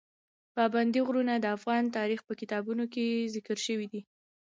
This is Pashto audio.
پابندی غرونه د افغان تاریخ په کتابونو کې ذکر شوی دي.